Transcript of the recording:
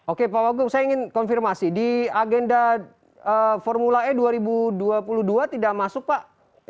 oke pak wagub saya ingin konfirmasi di agenda formula e dua ribu dua puluh dua tidak masuk pak